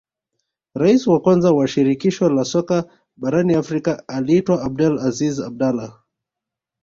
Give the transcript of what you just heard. rais wa kwanza wa shirikisho la soka barani afrika aliitwa abdel aziz abdalah